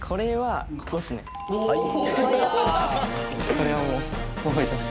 これはもう覚えてます。